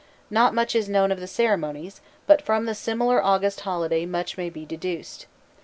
Not much is known of the ceremonies, but from the similar August holiday much may be deduced.